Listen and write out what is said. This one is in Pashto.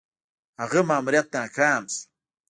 هغه ماموریت ناکام شو.